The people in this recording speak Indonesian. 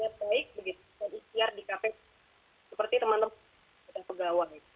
yang baik dan istiar di kpk seperti teman teman pegawai